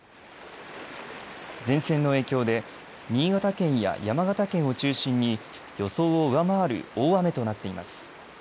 前線の影響で新潟県や山形県を中心に予想を上回る大雨となっています。